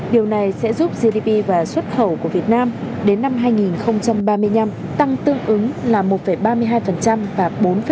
điều này sẽ giúp gdp và xuất khẩu của việt nam đến năm hai nghìn ba mươi năm tăng tương ứng là một ba mươi hai và bốn năm